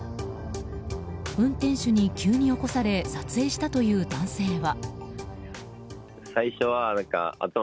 運転手に急に起こされ撮影したという男性は。